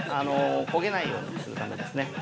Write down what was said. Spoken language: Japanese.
焦げないようにするためですね。